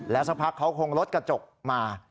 สักพักเขาคงลดกระจกมา